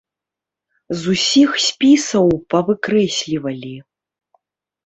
З усіх спісаў павыкрэслівалі.